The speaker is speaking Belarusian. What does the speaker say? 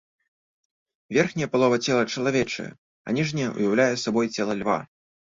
Верхняя палова цела чалавечае, а ніжняя ўяўляе сабой цела льва.